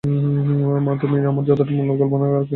মা, তুমি আমার যতটা মূল্য কল্পনা কর আর-কেউ ততটা করে না।